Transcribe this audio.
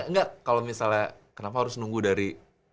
enggak kalau misalnya kenapa harus nunggu dari